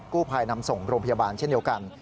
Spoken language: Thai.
กู้ภัยนำส่งโรงพยาบาลเช่นเดียวกัน